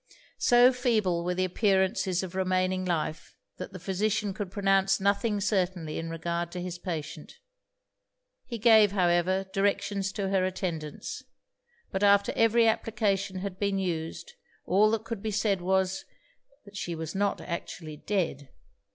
So feeble were the appearances of remaining life, that the physician could pronounce nothing certainly in regard to his patient. He gave, however, directions to her attendants; but after every application had been used, all that could be said was, that she was not actually dead.